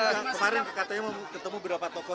kemarin katanya mau ketemu beberapa tokoh